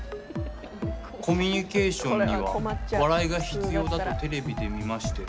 コミュニケーションには笑いが必要だとテレビで見まして。